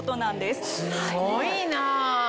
すごいな。